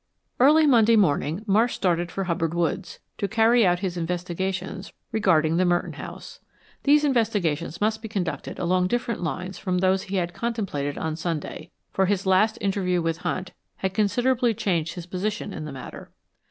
Early Monday morning Marsh started for Hubbard Woods, to carry out his investigations regarding the Merton house These investigations must be conducted along different lines from those he had contemplated on Sunday, for his last interview with Hunt had considerably changed his position in the matter.